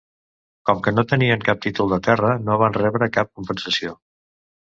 Com que no tenien cap títol de terra, no van rebre cap compensació.